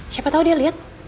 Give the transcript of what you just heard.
siapa tau dia liat